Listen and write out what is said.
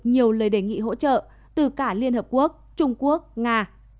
nhiều lời đề nghị hỗ trợ từ cả liên hợp quốc trung quốc nga